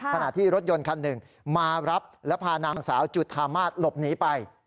ขณะที่รถยนต์คันหนึ่งมารับและพานางสาวจุธามาศหลบหนีไป